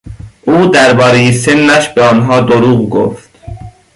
او درباره سنش به آنها دروغ گفت.